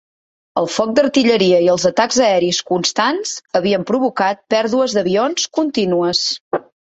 El foc d'artilleria i els atacs aeris constants havien provocat pèrdues d'avions continues.